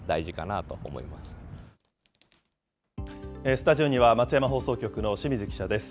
スタジオには松山放送局の清水記者です。